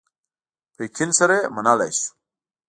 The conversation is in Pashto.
په یقین سره یې منلای شو.